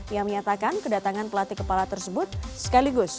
ia menyatakan kedatangan pelatih kepala tersebut sekaligus